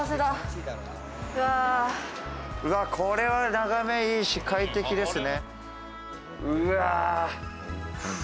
これは眺めいいし、快適ですね。